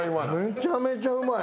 めちゃめちゃうまい。